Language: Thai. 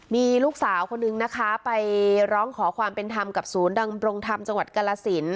มีลูกสาวคนนึงนะคะไปร้องขอความเป็นธรรมกับศูนย์ดำรงธรรมจังหวัดกรสิน